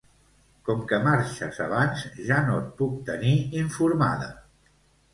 Com que marxes abans ja no et puc tenir informada